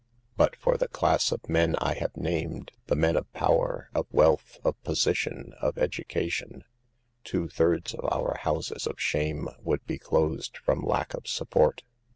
But for the class of .men I have named — the men of power, of wealth, of position, of edu cation — two thirds of our houses of shame would be closed from lack of support.